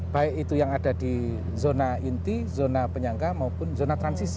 baik itu yang ada di zona inti zona penyangga maupun zona transisi